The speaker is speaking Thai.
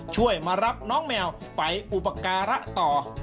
ช่วยมารับน้องแมวไปอุปการะต่อ